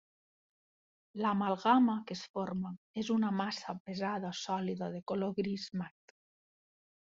L'amalgama que es forma és una massa pesada sòlida de color gris mat.